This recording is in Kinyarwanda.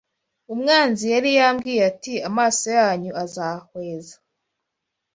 Umwanzi yari yamubwiye ati: “Amaso yanyu azahweza